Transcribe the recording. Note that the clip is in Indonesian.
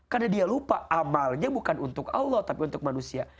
karena dia lupa amalnya bukan untuk allah tapi untuk manusia